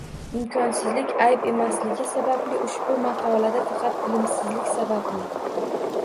Imkonsizlik ayb emasligi sababli ushbu maqolada faqat bilimsizlik sababli